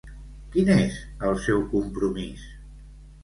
Quin és el seu compromís?